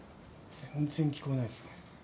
全然聞こえないですね。